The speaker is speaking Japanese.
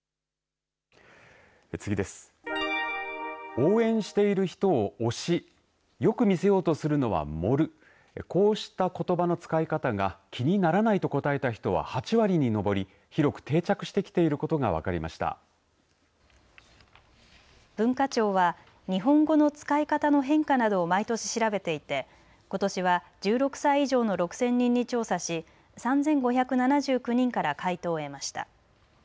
応援している人を、推しよく見せようとするのは、盛るこうしたことばの使い方が気にならないと答えた人は８割に上り広く定着してきていることが文化庁は日本語の使い方の変化などを毎年調べていてことしは１６歳以上の６０００人に調査し３５７９人から回答を得ました。